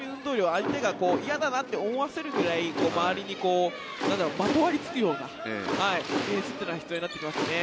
相手が嫌だなって思わせるぐらい周りにまとわりつくようなディフェンスというのが必要になってきますね。